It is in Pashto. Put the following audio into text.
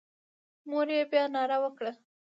مور یې بیا ناره وکړه.